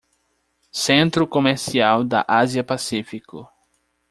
Centro comercial da Ásia-Pacífico